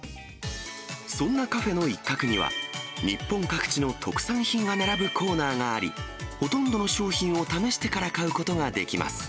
そんなカフェの一角には、日本各地の特産品が並ぶコーナーがあり、ほとんどの商品を試してから買うことができます。